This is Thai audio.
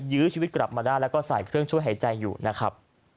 ยื้อชีวิตกลับมาได้แล้วก็ใส่เครื่องช่วยหายใจอยู่นะครับ